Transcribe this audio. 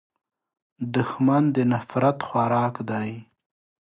دښمن د نفرت خوراک دی